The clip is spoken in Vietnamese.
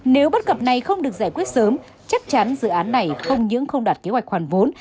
nếu bất cập này không được giải quyết sớm chắc chắn dự án này không những không đạt kế hoạch khoản vốn